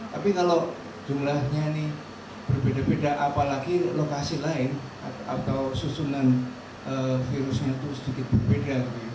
tapi kalau jumlahnya ini berbeda beda apalagi lokasi lain atau susunan virusnya itu sedikit berbeda